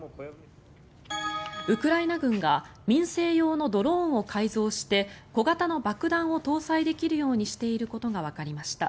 ウクライナ軍が民生用のドローンを改造して小型の爆弾を搭載できるようにしていることがわかりました。